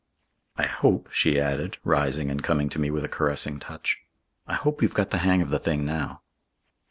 I hope," she added, rising and coming to me with a caressing touch. "I hope you've got the hang of the thing now."